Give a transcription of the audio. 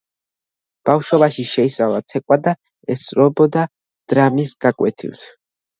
ბავშვობაში შეისწავლა ცეკვა და ესწრებოდა დრამის გაკვეთილებს.